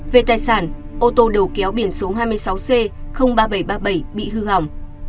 về tài sản ô tô đầu kéo biển số hai mươi sáu c ba nghìn bảy trăm ba mươi bảy bị hư hỏng